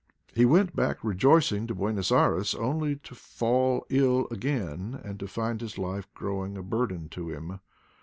He went back rejoicing to Buenos Ayres, only to fall ill again and to find his life growing a burden to him.